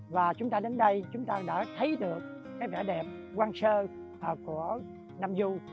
và chúng ta đến đây chúng ta đã thấy được cái vẻ đẹp hoang sơ của nam du